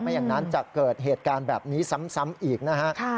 อย่างนั้นจะเกิดเหตุการณ์แบบนี้ซ้ำอีกนะฮะ